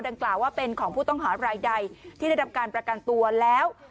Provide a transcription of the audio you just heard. ดังกล่าวว่าเป็นของผู้ต้องหารายใดที่ได้รับการประกันตัวแล้ว